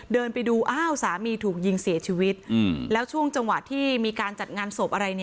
เดินไปดูอ้าวสามีถูกยิงเสียชีวิตแล้วช่วงจังหวะที่มีการจัดงานศพอะไร